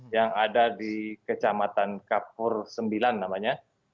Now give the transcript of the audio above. yang ada di kecamatan kapur sembilan namanya